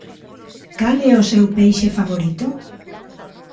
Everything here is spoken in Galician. Cal é o seu peixe favorito?